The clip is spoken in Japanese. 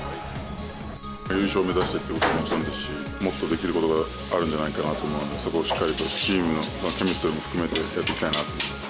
優勝目指しているのはもちろんですし、もっとできることがあるんじゃないかなと思うので、そこをしっかりとチームのケミストリーも含めてやっていきたいなと思います。